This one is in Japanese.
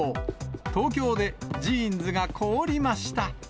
東京でジーンズが凍りました。